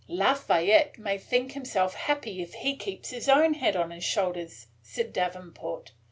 "Lafayette may think himself happy if he keeps his own head on his shoulders," said Davenport.